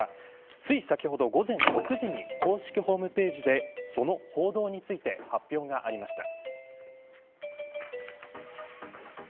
つい先ほど、午前６時に公式ホームページでその報道について発表がありました。